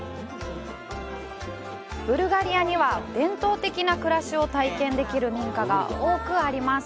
ブルガリアには、伝統的な暮らしを体験できる民家が多くあります。